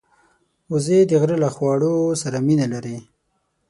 وزې د غره له خواړو سره مینه لري